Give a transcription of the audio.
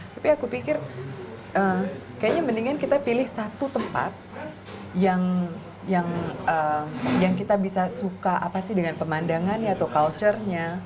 tapi aku pikir kayaknya mendingan kita pilih satu tempat yang kita bisa suka apa sih dengan pemandangannya atau culture nya